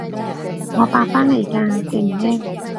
我八返嚟㗎，勁呢？